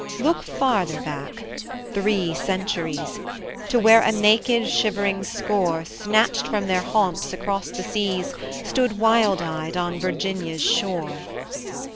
Look farther back! Three centuries! To where a naked, shivering score, Snatched from their haunts across the seas, Stood, wild eyed, on Virginia's shore.